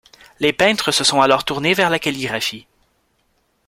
Les peintres se sont alors tournés vers la calligraphie.